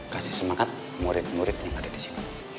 kasih semangat murid murid yang ada di sini